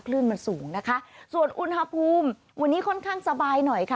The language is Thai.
คลื่นมันสูงนะคะส่วนอุณหภูมิวันนี้ค่อนข้างสบายหน่อยค่ะ